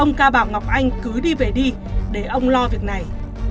ông ca bảo ngọc anh cứ đi về đi để ông ca lo việc này